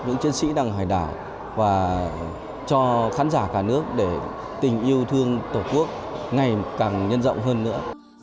những chiến sĩ đang hải đảo và cho khán giả cả nước để tình yêu thương tổ quốc ngày càng nhân rộng hơn nữa